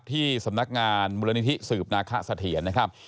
ที่สำนักงานมูลนิธิสืบนาคะเสถียรนะครับ